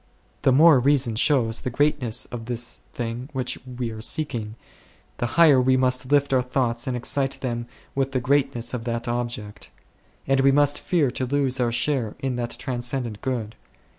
The more reason shows the greatness of this thing which we are seeking, the higher we must lift our thoughts and excite them with the great ness of that object ; and we must fear to lose our share in that transcendent Good.